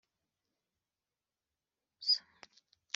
Iba mu ngoro mu Rukari, aho zogerezwa isahani!